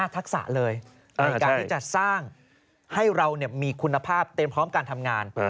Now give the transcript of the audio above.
ทักษะเลยในการที่จะสร้างให้เรามีคุณภาพเตรียมพร้อมการทำงาน